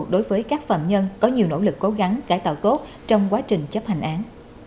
đối với các phạm nhân có nhiều nỗ lực cố gắng cải tạo tốt trong quá trình chấp hành án